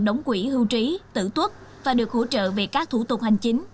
đóng quỹ hưu trí tử tuất và được hỗ trợ về các thủ tục hành chính